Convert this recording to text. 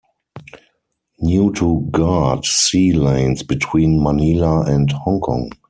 New to guard sea lanes between Manila and Hong Kong.